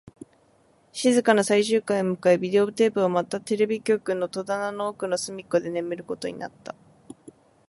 静かな最終回を迎え、ビデオテープはまたテレビ局の戸棚の奥の隅っこで眠ることになった